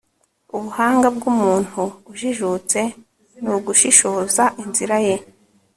ubuhanga bw'umuntu ujijutse, ni ugushishoza inzira ye